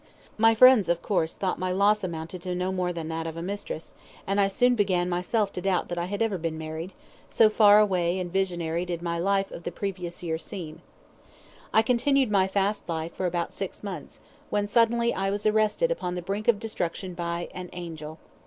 My friends, of course, thought that my loss amounted to no more than that of a mistress, and I soon began myself to doubt that I had ever been married, so far away and visionary did my life of the previous year seem. I continued my fast life for about six months, when suddenly I was arrested upon the brink of destruction by an angel.